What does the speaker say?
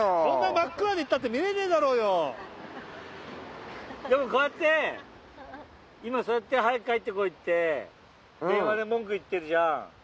そんな真っ暗で行ったって見えねえだろうよ！」もこうやって今そうやって早く帰ってこい」って電話で文句言ってるじゃん。